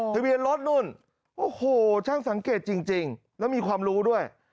ทะเบียนรถนู่นโอ้โหช่างสังเกตจริงแล้วมีความรู้ด้วย